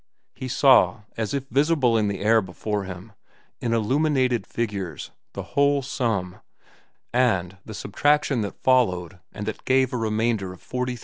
He saw, as if visible in the air before him, in illuminated figures, the whole sum, and the subtraction that followed and that gave a remainder of $43.90.